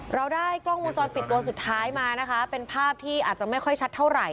เราได้กล้องวงจรปิดตัวสุดท้ายมานะคะเป็นภาพที่อาจจะไม่ค่อยชัดเท่าไหร่